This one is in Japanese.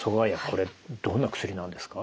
これどんな薬なんですか？